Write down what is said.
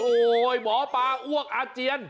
โอ้โหหมอปลาอ้วกอาเจียน